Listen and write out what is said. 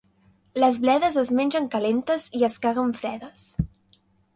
Les bledes es mengen calentes i es caguen fredes.